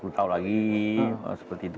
sepuluh tahun lagi seperti itu